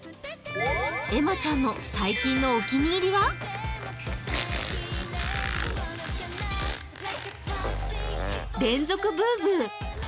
えまちゃんの最近のお気に入りは連続ブーブー。